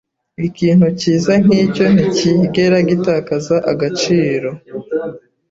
Ikintu cyiza nkicyo nticyigera gitakaza agaciro.